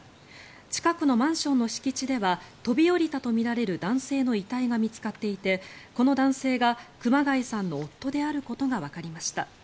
近くのマンションの敷地では飛び降りたとみられる男性の遺体が見つかっていてこの男性が熊谷さんの夫であることがわかりました。